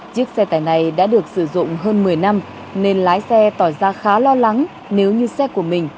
chiếc xe tải này đã được sử dụng hơn một mươi năm nên lái xe tỏ ra khá lo lắng nếu như xe của mình